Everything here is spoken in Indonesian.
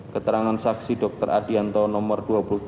keterangan saksi dr adianto nomor dua puluh tiga tujuh belas